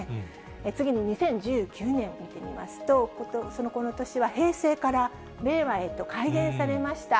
次に２０１９年、見てみますと、この年は平成から令和へと改元されました。